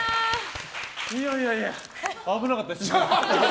いやいや、危なかったです。